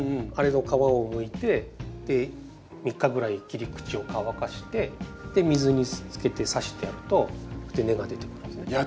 あれの皮をむいて３日ぐらい切り口を乾かして水につけてさしてやるとこうやって根が出てくるんですね。